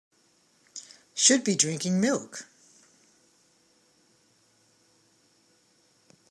Should be drinking milk.